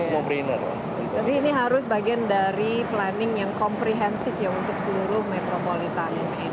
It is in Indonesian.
jadi ini harus bagian dari planning yang komprehensif untuk seluruh metropolitan